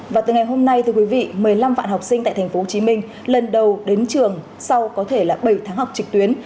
và từ ngày hôm nay một mươi năm vạn học sinh tại tp hcm lần đầu đến trường sau có thể bảy tháng học trực tuyến